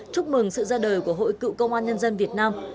chúc mừng sự ra đời của hội cựu công an nhân dân việt nam